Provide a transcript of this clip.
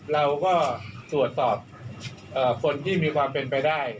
เราก็ตรวจสอบคนที่มีความเป็นไปได้